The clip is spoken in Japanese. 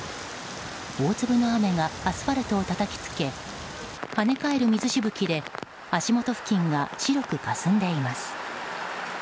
大粒の雨がアスファルトをたたきつけ跳ね返る水しぶきで足元付近が白くかすんでいます。